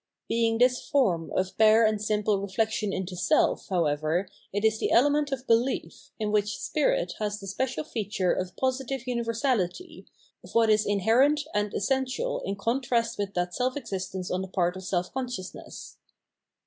Being this form of bare and simple 538 Phenomenology of Mind reflexion into self, however, it is the element of belief, in which spirit has the special feature of positive universality, of what is mherent and essential in contrast with that self existence on the part of self consciousness.